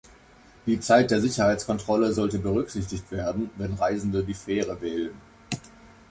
Die Zeit der Sicherheitskontrolle sollte berücksichtigt werden, wenn Reisende die Fähre wählen.